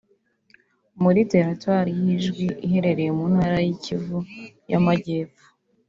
muri Teritwari ya Idjwi iherereye mu Ntara ya Kivu y’Amajyepfo